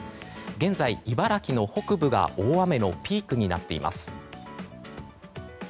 現在、茨城の北部が大雨のピークになっています。